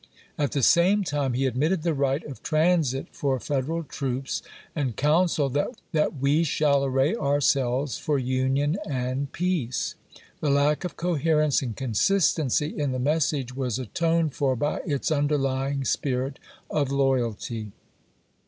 At the same time he aplISi. admitted the right of transit for Federal troops, "Semon and counseled " that we shall array ourselves for volT^doc Union and peace." The lack of coherence and pp."i59 m. consistency in the message was atoned for by its underlying spirit of loyalty.